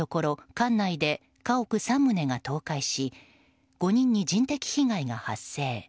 管内で家屋３棟が倒壊し５人に人的被害が発生。